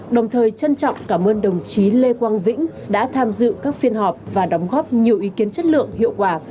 đồng thời trân trọng cảm ơn đồng chí lê quang vĩnh đã tham dự các phiên họp và đóng góp nhiều ý kiến chất lượng hiệu quả